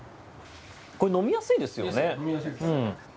これ、飲みやすいですよね。